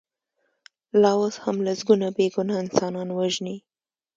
لا اوس هم لسګونه بې ګناه انسانان وژني.